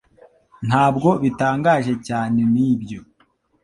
Ntabwo bitangaje cyane nibyo